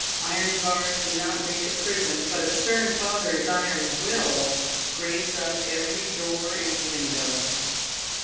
Iron bars do not make a prison, but a stern father's iron will grates up every door and window.